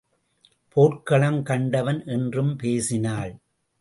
போர்க்களம் கண்டவன் என்றும் பேசினாள்.